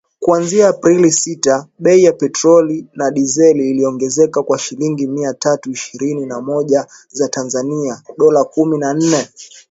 Kuanzia Aprili sita, bei ya petroli na dizeli iliongezeka kwa shilingi mia tatu ishirini na moja za Tanzania (dola kumi na nne).